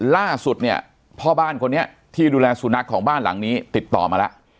ล่าสุดเนี่ยพ่อบ้านคนนี้ที่ดูแลสุนัขของบ้านหลังนี้ติดต่อมาแล้ว